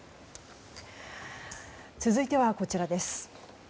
続いてはこちらです。